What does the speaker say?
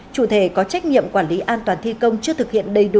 chủ thể có trách nhiệm quản lý an toàn thi công chưa thực hiện đầy đủ